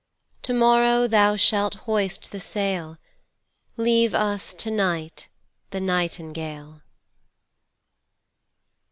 To morrow thou shalt hoist the sail; Leave us to night the nightingale.